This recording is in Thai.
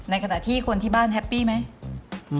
ขณะที่คนที่บ้านแฮปปี้ไหม